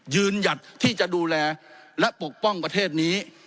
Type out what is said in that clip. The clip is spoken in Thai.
หยัดที่จะดูแลและปกป้องประเทศนี้